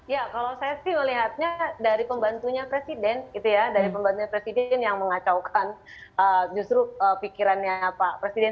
ya kalau saya sih melihatnya dari pembantunya presiden gitu ya dari pembantunya presiden yang mengacaukan justru pikirannya pak presiden